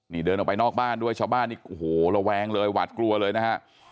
นี่เดินออกไปนอกบ้านด้วยชาวบ้านนี่โอ้โหระแวงเลยหวาดกลัวเลยนะฮะ